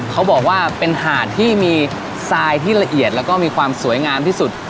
เขาบอกว่าเป็นหาดที่มีทรายที่ละเอียดแล้วก็มีความสวยงามที่สุด